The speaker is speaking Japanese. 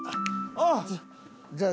ああ！